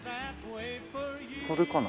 これかな。